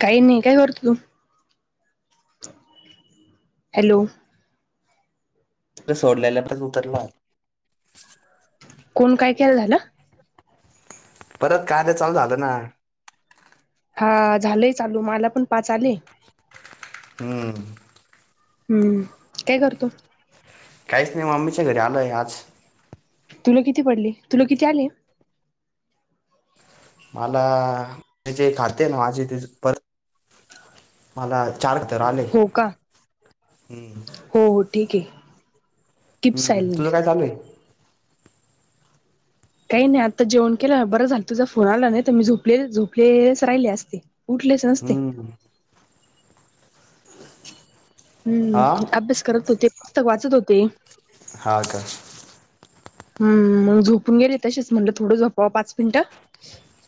काही नाही काय करतो तू. हॅलो. सोडले तूतरला. कोण काय खेळ झालं. परत काय ते चालू झालं ना. हा झालंय चालू मला पण पाच आले. हम्म. हम्म काय करतो. काहीच नाही म मम्मीच्या घरी आलोय आज. तुला किती पडली तुला किती आले. मला जे खात ना माझे ते परत मला चारक तर आले ह हो का हम्म. हो हो ठीक आहे कीप हम्म सायलेंट तुझं काय चालूये. काही नाही आता जेवण केलं बरं झालं तुझा फोन आला नाही तर मी झोपले झोपलेच राहिले असती उठलीच नसती. हम्म हा हम्म अभ्यास करत होते पुस्तक वाचत होते. ह का. हम्म मग झोपून गेले तशीच म्हणटलं थोडं झोपावं पाच मिनिटं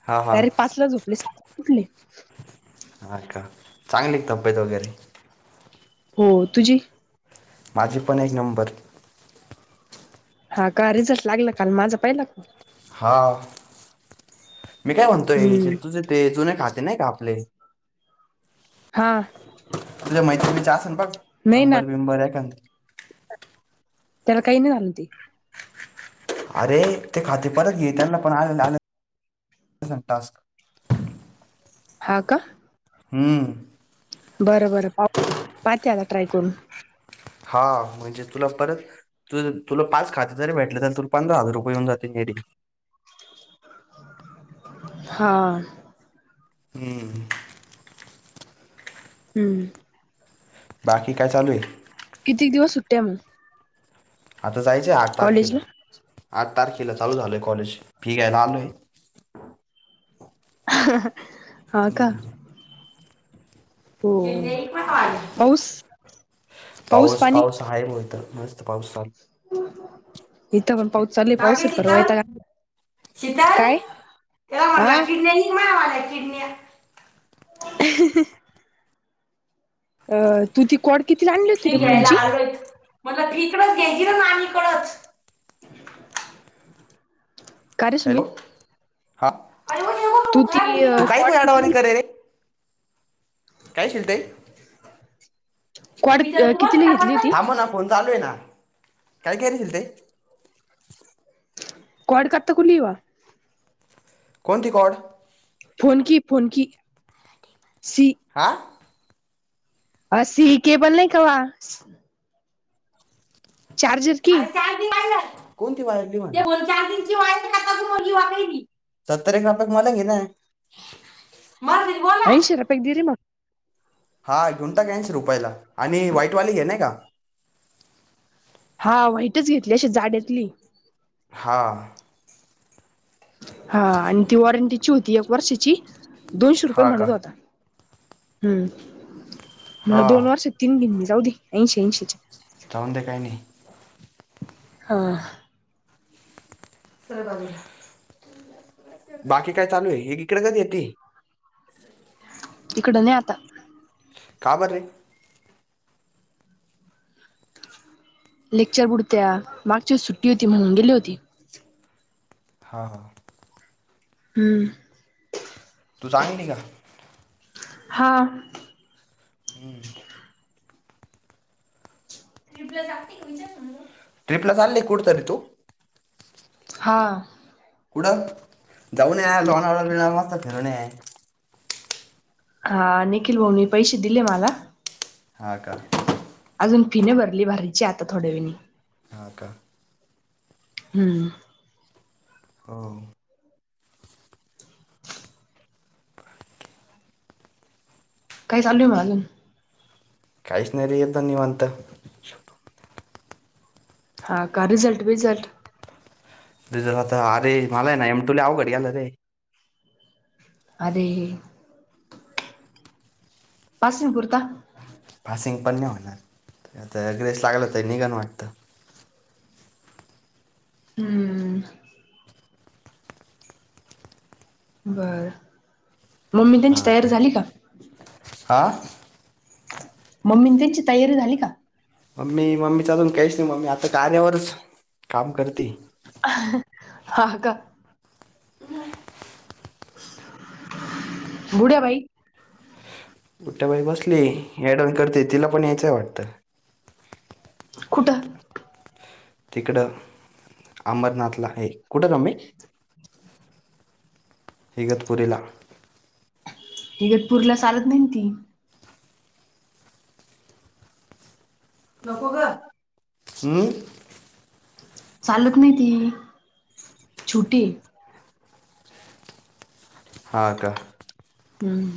हा हा डायरेक्ट पाच ला झोपले सात ला ऊठली. हा का चांगली तब्येत वगैरे हो तुझी. माझे पण एक नंबर. हा का रिझलस लागला काल माझा पहिला हा मी काय म्हणतोय हम्म तुझ ते जुन खा नाही का आपले हा, तु मैत्री बीच असेन बघ नाही ना नंबर बिंबर आहे का [unintelligible] अरे ते खाते परत घे त्यांना पण आलेलं अ टस्क, हा का? हमम, बर बरं पा पाहते आला ट्राय करून हा म्हणजे तुला परत तु तुला पाच खाते जरी भेटलं तुला पंधरा हजार रुपये येऊन जाते [inaudible] [inaudible] हा हम्म हम्म बाकी काय चालू आहे. [unintelligible] तर जायचं आहे आठ तारखेला कॉलेजला आठ तारखेला चालू झालं आहे कॉलेज. ठीक आहे आता आलोय हा का, [inaudible] हो पाऊस पाऊस पाऊस आहे होत म पाऊसल इथं पण पाऊस चालय ग पाऊसल परवा शीतल येता का शीतल तेला म्हटला किडण्यानी मावाल्या किडण्या हाहाहा अ तू ती कोड हे घ्यायला आलवाय म्हटल तिकडच घ्यायची ना नाही कडच [inaudible] का रे हॅलो सुमित [inaudible] हा तू ती काय कॉड येड्यावाणी किती कराला रे काय शिलूताई [inaudible] [unintelligible] चालू कितीला घेतली होती आहे ना काय कायील ते [unintelligible] कोणती कॉर्ड फोन की फोन की सी हा अ सी केबल नाही कवा अरे चार दि वाहिला कोणती वा चार दिची वा का तीवा सत्तर एक रुपे मला घे नाही अयन शिराप एकगदि र मग हा घुंता का्यांशी रुपयाला आणि व्हाईटवाली घे ना का? हा वाईटच घेतली अशी जाडतली हा, हा आणि ती वॉरंटीची होती एक वर्षाची दोनशे रुपये हा का म्हणत होता. हम्म [inaudible] हा म दोन वर्ष तीन बिन जाऊ दे ऐंशी ऐंशीच्या चाऊून दे काय नाही हा, सर बग, बाकी काय चालू आहे एक इकडे कच येते इकड नाही आता का बरे लेक्चर बुडत्या मागच्या व सुट्टी होती म्हणूनून गेली होती हा हा हम्म तू चांगली का हा ल ट्रिप्लस आले कुठतरी तू हा कुठं जाऊन लोहणा बिरणार मस्त फिरवून हा निखिल भाऊनी पैसे दिले मला हा का अजून फिने भरली भारीची आता थोड्या वणी अका हम्म हो काही चालूय मला अजून काहीच नाही र ये निवांत हा का रिझल्ट बिझल्ट दुझ्या साथ आरे मला ना म्हमटु आ घडडी आलं रे अे पासिंगपुरता फसिंग पण नाही होणार आताग्रेस लागलं तररी निघन वाटतं हम्म बर मम्मी त्यांची तयारी झाली का हा मम्मी त्यांची तयारी झाली का मी मम्मीचा अजून काहीच नाही मम्मी आता कार्यावरच काम करते हा का बुढ्या भाई कुठ्या बाई बसली डन करते तिला पण यायचंय वाटतं कुठा तिकडं अमरनाथला आहे कुठं रम्य इगतपुरीला इगतपूरला चालत नाही ती नक का हम् चालक नाही ती छुटी हा का हम्म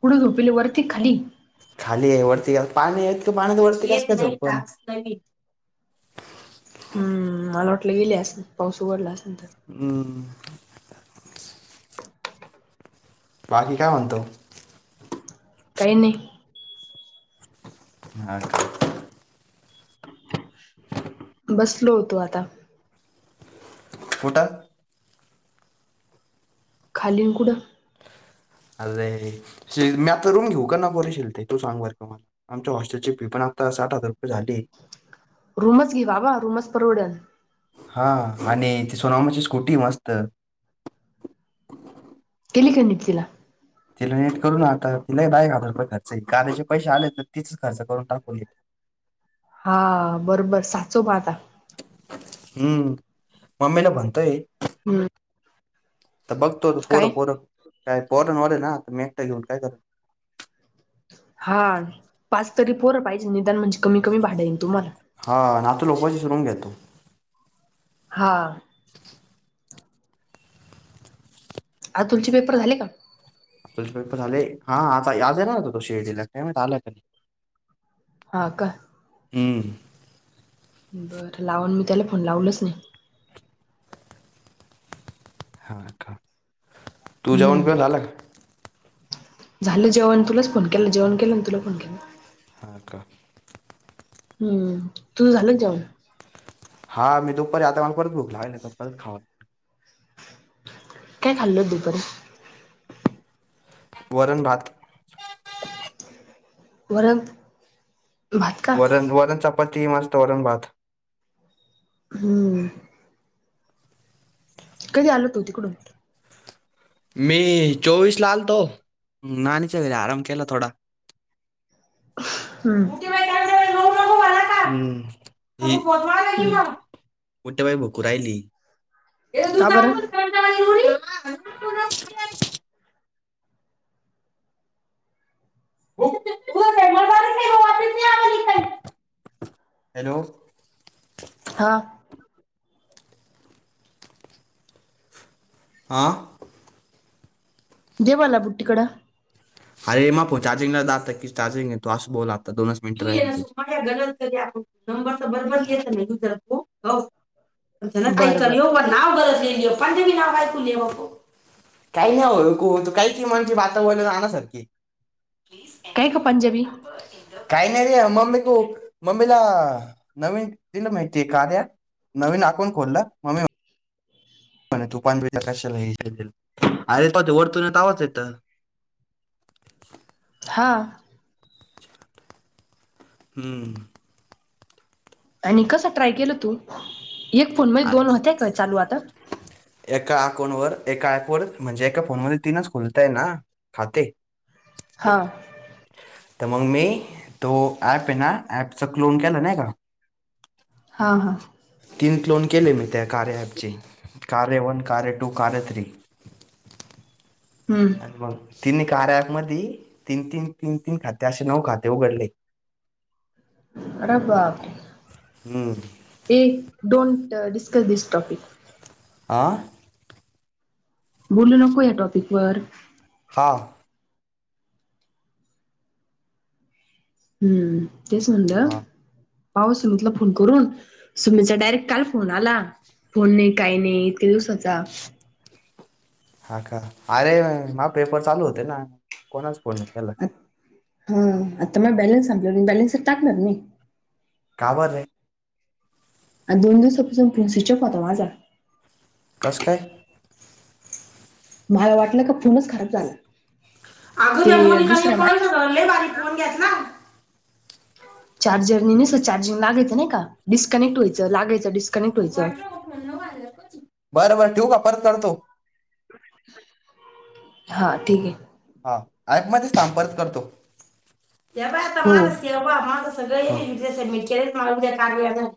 पुड झोपले वरती खाली खाली आहे वरती पाणी आहे पाण्या तर वरती ह मला वाटलं गेलेस पाऊस उघडलास हम् बाकी काय म्हणतो काही नाही ह बसलो होतो आता कठा खालीनकुड अरे मी आता रूम घेऊ का ना बरेशील ते तू सांग बर का मला आमच्या हॉस्टेल चेी पण आता साठ हजार रुपये झाली रूम च घे बाबा रूमच परवडन, हा आणि त सोनामाची स्कूटी मस्त, केली का नीट तिला! तिला नेट करून तिला बा एक हजार रुपये खर्च घदी चे पैसे आले तर तीच खर्च करून टाकूट, [unintelligible] हा,, बरोबर साचव म आता, हम्म, मम्मीला म्हणतोय, हम्म, तर बघतो तो, काय पोरं पोरं काय? पोरणं वार आय ना,, मी एकटं घेऊन काय कर, हा पाच तरी पोरं पाहिजे, निदान म्हणजे कमी, कमी भाडांय येईल तुम्हाला.. हा नातू लोकवाचीच रूम घेतो हां, आता तुमचे पेपर झाले का? तुझे पेपर झाले,, हा आता आज आहे ना तो शेर्डीला, काय माहिती आता आला की नाही, हां, का, हम, बरं,, लावा, मी त्याला फोन लावलच नाही. हा, का, तूझ जेवण हम्म. पेवन झाला का? झालं जेवण, न तुलाच फोन केला, जेवण केलं नं तुला फोन केला, हा, का, हम्म,, तूझ झालं ना जेवान, हां, मी दुपारी,, आता मग परत भुक लागली ना, तर परत खावा,, काय खाल्ल दूपारी? वरण भात. [unintelligible] वरन, वरण, वरण चापाती मस्त वरण भात. हम्म, कधी आलं तू तिकडून? मी चोवीस ला आलतो,, नाणीच्या घरी आराम केला थोडा. हम्म, हम, हम्म मोठे बाई भुकु रायली. का बर? [inaudible] हॅलो. हा, आा, दे मला बुट्ई कड, अरे मापो चार्जिंग नै ओत आता, किस चार्जिंग तो आस बोल, आता दोनस मिनट, बरं बरं [unintelligible] [unintelligible] [unintelligible] काय का पंजाबी [unintelligible] काही नाही रे, मम्मी तू, मम्मीला, नवीन दिलं माहितीय कार्याऽऽ, नवीन अकाउंट खोलला, मम्मी, तू पान कशाला,, अरे पा वर्तळत आवाच येतऽ [inaudible] हा, [unintelligible] हम्म, आणि कस ट्राय केलं तू? एक फोन मग आ- दोन होतेय का चालू आता? फोन वर, एका ऍप व म्हणजे एका फोन मध्ये तीनच खुलताय ना, खाते. हां, तर मग मी,, तो ऍप आहे ना,, एपचा क्लोन केला नाही काऽऽ हा, हा, तीन क्लोन केले मी त्या कार्य ॲपचे. कार्य वन, कार्य टू, कार्य थ्री. [inaudible] आणि हम्म मग तिने. कार्या एप मधे तीन-तीन, तीन-तीन खाते, असे नऊ खाते उघडले. अरे बापरे! हम्म एक-दोन. Discuss this topic. आ.. बोलू नको, या टॉपिक वर. हां. हम्म तेचं म्हंटल. हा पाहू सुमितला फोन करून. सुमितचा डायरेक्ट काल फोन आला. फोन नाही, काही नाही, इतक्या दिवसाचा. हा का, अरे हा पेपर चालू होते ना. कोणाच फोन आहे याला? हू.. आता मग बॅलेन्स संपलेला. मग बॅलेन्स टाकणार ना मी. का बर रे.. आणि दोन दिवसापासून फोन स्विच ऑफ होता माझा. कस काय? मला वाटलं का.. फोनच खराब झाला. अगं.. त्या ते मोनिका दुसऱ्या मा कोणाचा गं लय भारी फोन घेतला. चार्जर नी चार्जिंग लागायच नाही का... डिस्कनेक्ट व्हयचं... लागायचं डिसकनेक्ट. बरं.. बरं.. ठेवू का परत करतो. [inaudible] हा ठीक आहे. हा ऍप मध्ये थांब परत करतो. हे बया आता हो माणूस माणूस. सगळे [inaudible]